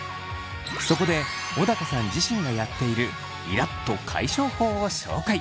そこで小高さん自身がやっているイラっと解消法を紹介。